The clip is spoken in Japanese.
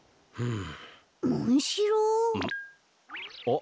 ん？